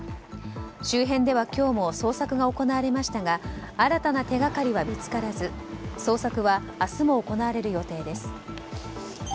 周辺では今日も捜索が行われましたが新たな手掛かりは見つからず捜索は明日も行われる予定です。